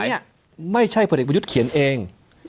อันนี้ไม่ใช่ผู้เด็กประยุทธเขียนเอง